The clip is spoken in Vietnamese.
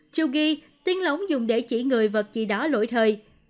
chiu ghi tiếng lỗng dùng để chỉ người vật gì đó lỗi thời